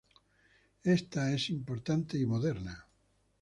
Esta es importante y moderna.